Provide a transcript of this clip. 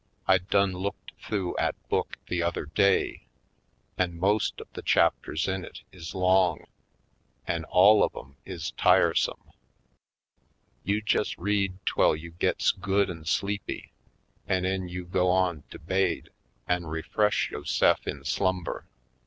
I done looked th'ough 'at book the other day an' most of the chapters in it is long an' all of 'em is tiresome. You jes' read 'twell you gits good an' sleepy an' 'en you go on to baid Oiled Skids 191 an' refresh yo'se'f in slumber.